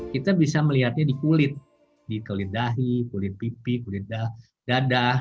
kita bisa melihatnya di kulit di kulit dahi kulit pipi kulit dadah